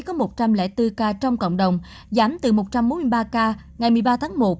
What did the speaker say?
có một trăm linh bốn ca trong cộng đồng giảm từ một trăm bốn mươi ba ca ngày một mươi ba tháng một